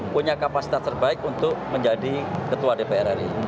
punya kapasitas terbaik untuk menjadi ketua dpr ri